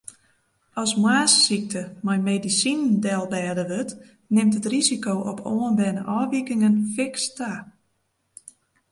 As moarnssykte mei medisinen delbêde wurdt, nimt it risiko op oanberne ôfwikingen fiks ta.